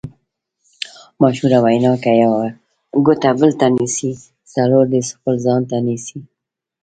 مشهوره وینا: که یوه ګوته بل ته نیسې څلور دې خپل ځان ته نیسې.